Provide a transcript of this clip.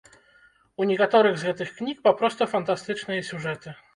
У некаторых з гэтых кніг папросту фантастычныя сюжэты.